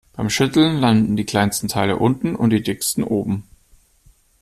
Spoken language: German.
Beim Schütteln landen die kleinsten Teile unten und die dicksten oben.